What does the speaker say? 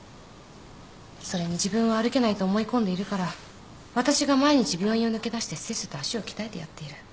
それに自分は歩けないと思い込んでいるから私が毎日病院を抜け出してせっせと足を鍛えてやっている。